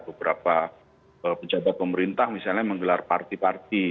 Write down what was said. beberapa pejabat pemerintah misalnya menggelar parti parti